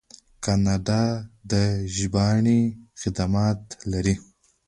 کاناډا د ژباړې خدمات لري.